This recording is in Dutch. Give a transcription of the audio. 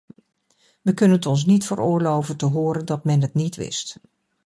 We kunnen het ons niet veroorloven te horen dat men het niet wist.